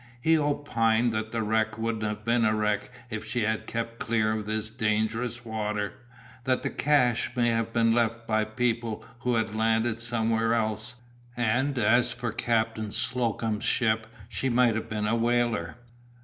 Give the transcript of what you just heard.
He opined that the wreck wouldn't have been a wreck if she had kept clear of this dangerous water, that the cache might have been left by people who had landed somewhere else, and as for Captain Slocum's ship she might have been a whaler.